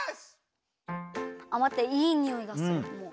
あっまっていいにおいがするもう。